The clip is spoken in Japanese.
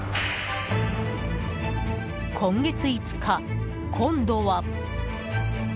今月５日、今度は。